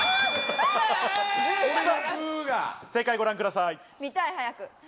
正解ご覧ください。